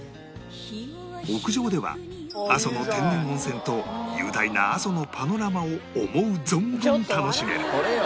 屋上では阿蘇の天然温泉と雄大な阿蘇のパノラマを思う存分楽しめる